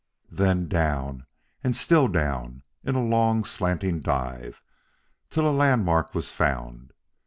Then down and still down in a long, slanting dive, till a landmark was found.